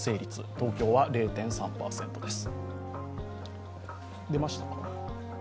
東京は０．３％です。